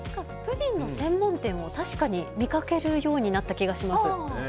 プリンの専門店は確かに見かけるようになった気がします。